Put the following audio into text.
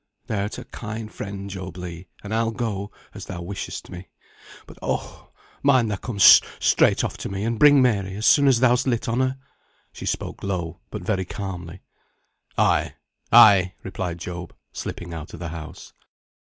"Thou'rt a kind friend, Job Legh, and I'll go, as thou wishest me. But, oh! mind thou com'st straight off to me, and bring Mary as soon as thou'st lit on her." She spoke low, but very calmly. "Ay, ay!" replied Job, slipping out of the house.